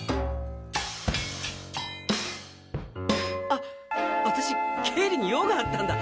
あっ私経理に用があったんだ